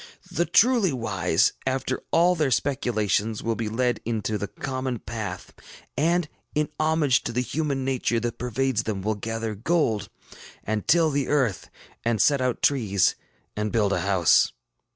The truly wise, after all their speculations, will be led into the common path, and, in homage to the human nature that pervades them, will gather gold, and till the earth, and set out trees, and build a house.